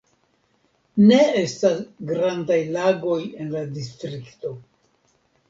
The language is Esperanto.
Ne estas grandaj lagoj en la distrikto.